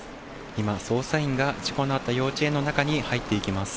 今、捜査員が事故のあった幼稚園の中に入っていきます。